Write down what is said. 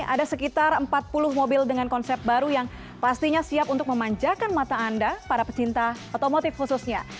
ada sekitar empat puluh mobil dengan konsep baru yang pastinya siap untuk memanjakan mata anda para pecinta otomotif khususnya